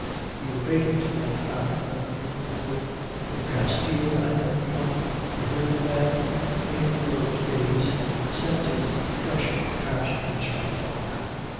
He obeyed it, and found a New World for Castile and Leon. The herd of men in those days scented fresh pastures from afar.